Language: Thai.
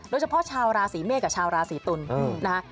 โดยเฉพาะชาวราศีเมฆกับชาวราศีตุลนะ